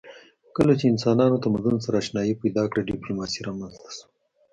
کله چې انسانانو تمدن سره آشنايي پیدا کړه ډیپلوماسي رامنځته شوه